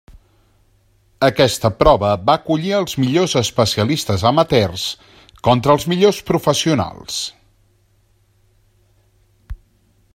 Aquesta prova va acollir els millors especialistes amateurs contra els millors professionals.